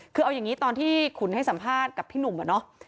คือเอาอย่างนี้ตอนที่ขุนให้สัมภาษณ์กับพี่หนุ่มอะเนาะ